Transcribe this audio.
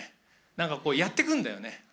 なんか、こうやってくんだよね。